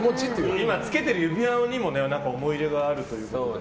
今、つけてる指輪にも思い入れがあるということで。